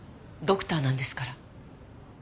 ドクターなんですから。